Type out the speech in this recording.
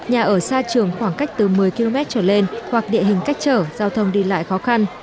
nhà ở xa trường khoảng cách từ một mươi km trở lên hoặc địa hình cách trở giao thông đi lại khó khăn